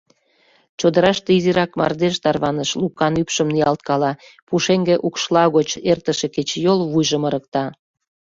Чодыраште изирак мардеж тарваныш, Лукан ӱпшым ниялткала, пушеҥге укшла гоч эртыше кечыйол вуйжым ырыкта.